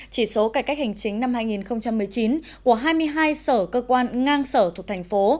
chỉ số cải cách hành chính năm hai nghìn một mươi chín của hai mươi hai sở cơ quan ngang sở thuộc thành phố